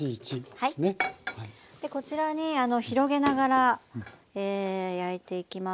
こちらにあの広げながらえ焼いていきます。